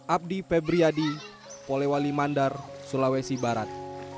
abdi febriyadi polewali mandar sulawesi barat